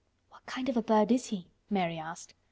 "What kind of a bird is he?" Mary asked.